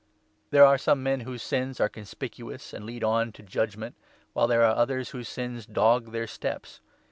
There are some 24 men whose sins are conspicuous and lead on to judgement, while there are others whose sins dog their steps.